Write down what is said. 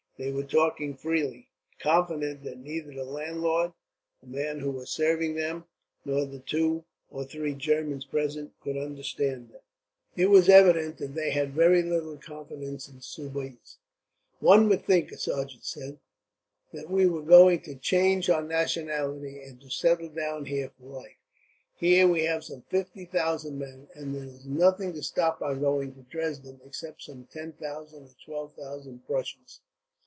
They were talking freely, confident that neither the landlord, the man who was serving them, nor the two or three Germans present could understand them. It was evident that they had very little confidence in Soubise. "One would think," a sergeant said, "that we were going to change our nationality, and to settle down here for life. Here we have some fifty thousand men, and there is nothing to stop our going to Dresden, except some ten thousand or twelve thousand Prussians.